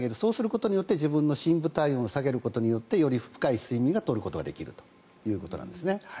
それによって自分の深部体温を下げることによってより深い睡眠を取ることができるということなんです。